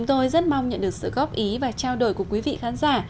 tôi rất mong nhận được sự góp ý và trao đổi của quý vị khán giả